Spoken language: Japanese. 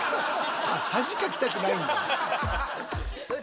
あっ恥かきたくないんだ。